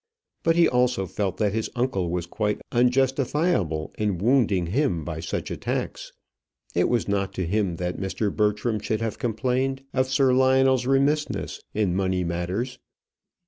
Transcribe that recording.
But he also felt that his uncle was quite unjustifiable in wounding him by such attacks. It was not to him that Mr. Bertram should have complained of Sir Lionel's remissness in money matters.